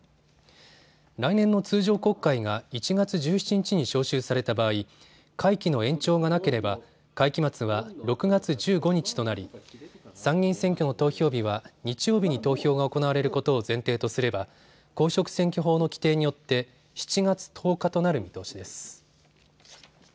来年の通常国会が１月１７日に召集された場合会期の延長がなければ会期末は６月１５日となり参議院選挙の投票日は日曜日に投票が行われることを前提とすれば公職選挙法の規定によって７月１０日となる見通しです。